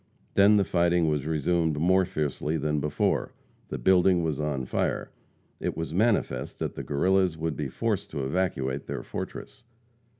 Then the fighting was resumed more fiercely than before. The building was on fire. It was manifest that the Guerrillas would be forced to evacuate their fortress.